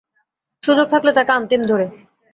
সুযোগ থাকলে তাকে আনতেম ধরে।